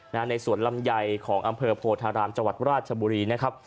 ในสวนลำไยของอำเภอโพธารามจังหวัดราชบุรีนะครับ